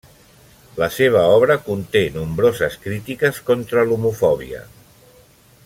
La seva obra conté nombroses crítiques contra l'homofòbia.